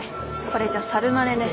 これじゃ猿まねね。